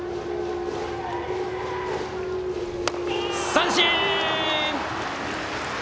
三振！